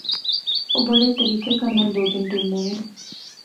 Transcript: او بڑے طریقے کنے دو دن ٹرنے رہے